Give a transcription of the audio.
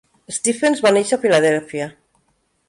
Stephens va néixer a Filadèlfia.